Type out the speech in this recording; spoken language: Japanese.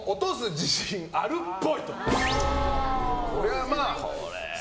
自信あるっぽい。×？